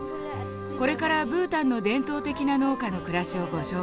これからブータンの伝統的な農家の暮らしをご紹介します。